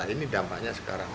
ini dampaknya sekarang